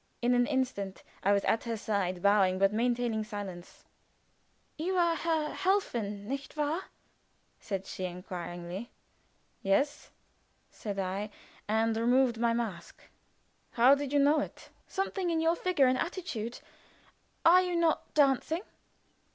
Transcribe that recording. In an instant I was at her side, bowing but maintaining silence. "You are Herr Helfen, nicht wahr?" said she, inquiringly. "Yes," said I, and removed my mask. "How did you know it?" "Something in your figure and attitude. Are you not dancing?"